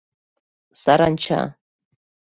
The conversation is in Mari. САРАНЧА